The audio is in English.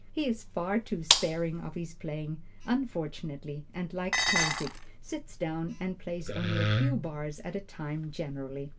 He is far too sparing of his playing, unfortunately, and like Tausig, sits down and plays only a few bars at a time generally.